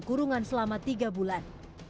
kurungan selama tiga bulan